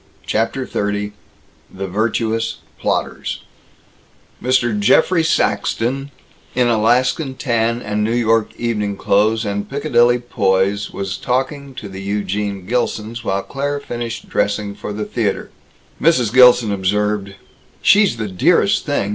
CHAPTER XXX THE VIRTUOUS PLOTTERS Mr. Geoffrey Saxton, in Alaskan tan and New York evening clothes and Piccadilly poise, was talking to the Eugene Gilsons while Claire finished dressing for the theater. Mrs. Gilson observed, "She's the dearest thing.